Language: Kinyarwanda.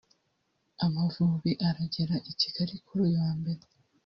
Amavubi aragera i Kigali kuri uyu wa Mbere